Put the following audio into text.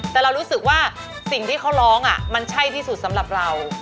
แต่เรารู้สึกว่าสิ่งที่เขาร้องมันใช่ที่สุดสำหรับเรา